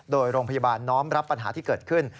โดยโรงพยาบาลน้อมรับปัญหาที่เกิดขึ้น